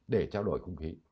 để trao đổi không khí